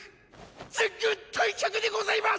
全軍退却にございます！！